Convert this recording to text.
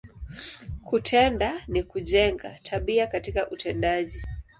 Kutenda, ni kujenga, tabia katika utendaji.